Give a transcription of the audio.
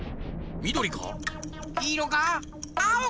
みどりか？